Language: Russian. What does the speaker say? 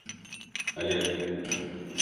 Олег